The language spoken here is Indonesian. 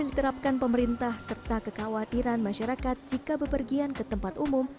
yang diterapkan pemerintah serta kekhawatiran masyarakat jika bepergian ke tempat umum